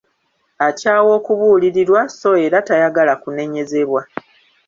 Akyawa okubuulirirwa so era tayagala kunenyezebwa.